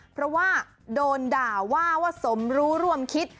เพราะว่าโดนด่าว่าว่าสมรู้ร่วมคิด